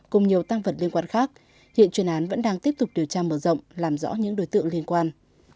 cùng nhiều tăng vật liên quan khác hiện chuyên án vẫn đang tiếp tục điều tra mở rộng làm rõ những đối tượng liên quan